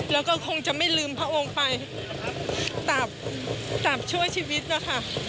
แล้วก็คงจะไม่ลืมพระองค์ไปตับตับชั่วชีวิตนะคะ